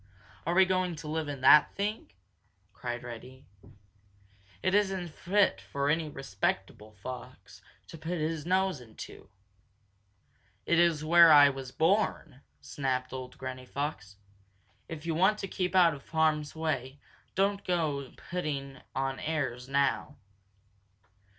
Are we going to live in that thing?" cried Reddy. "It isn't fit for any respectable fox to put his nose into." "It is where I was born!" snapped old Granny Fox. "If you want to keep out of harm's way, don't go to putting on airs now.